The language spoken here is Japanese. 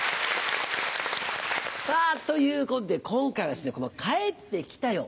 さぁということで今回はこの「帰ってきたよ」